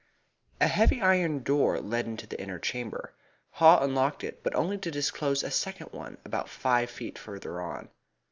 A heavy iron door led into the inner chamber. Haw unlocked it, but only to disclose a second one about five feet further on.